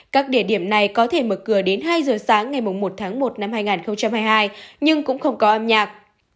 các địa điểm này có thể mở cửa đến hai giờ sáng ngày một tháng một năm hai nghìn hai mươi hai nhưng cũng không có âm nhạc